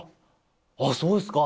あ、そうですか？